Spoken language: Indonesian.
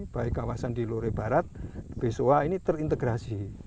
baik kawasan di lore barat besoa ini terintegrasi